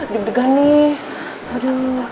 deg degan nih aduh